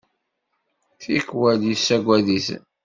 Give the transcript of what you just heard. Tikwal yessagad-iten.